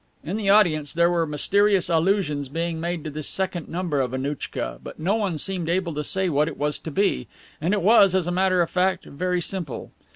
In the audience there were mysterious allusions being made to this second number of Annouchka, but no one seemed able to say what it was to be, and it was, as a matter of fact, very simple.